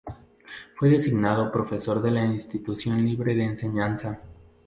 Fue designado profesor de la Institución Libre de Enseñanza.